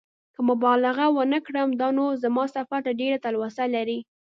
که مبالغه ونه کړم دا نو زما سفر ته ډېره تلوسه لري.